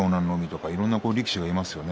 海いろいろな力士がいますよね。